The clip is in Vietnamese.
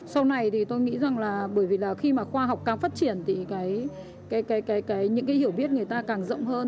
sau này thì tôi nghĩ rằng là bởi vì là khi mà khoa học càng phát triển thì những cái hiểu biết người ta càng rộng hơn